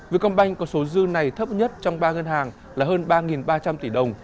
việt công banh có số dư này thấp nhất trong ba ngân hàng là hơn ba ba trăm linh tỷ đồng